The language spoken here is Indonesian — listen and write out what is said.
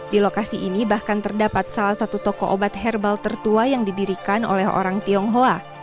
di lokasi ini bahkan terdapat salah satu toko obat herbal tertua yang didirikan oleh orang tionghoa